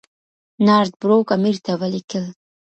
نارت بروک امیر ته ولیکل.